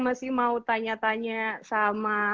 masih mau tanya tanya sama